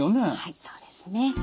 はいそうですね。